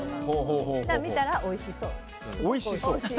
見たら、おいしそう。